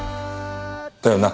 だよな？